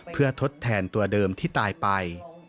เพื่อทดแทนตัวเดิมที่ตายไป